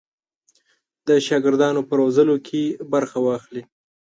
د شاګردانو په روزلو کې برخه واخلي.